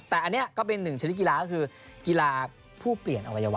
แต่อันนี้ก็เป็นหนึ่งชนิดกีฬาก็คือกีฬาผู้เปลี่ยนอวัยวะ